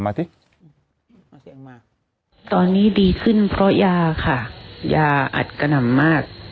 เสียงมากตอนนี้ดีขึ้นเพราะยาค่ะยาอัดกระหน่ำมาก